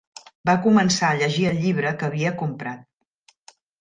Va començar a llegir el llibre que havia comprat.